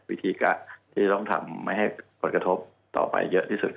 วิธีการที่จะต้องทำให้ผลกระทบต่อไปเยอะที่สุด